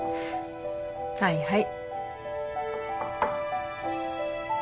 はいはい。